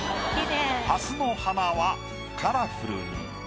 蓮の花はカラフルに。